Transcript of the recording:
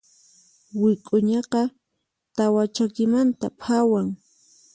Wik'uñaqa tawa chakimanta phawan.